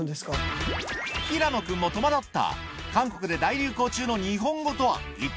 平野君も戸惑った。